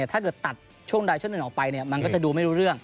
ถ้าเกิดตัดช่วงใดช่วงหนึ่งออกไปมันก็จะดูไม่รู้เรื่อง